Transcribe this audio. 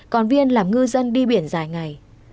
còn viên làm ngư dân đi biển dài ngày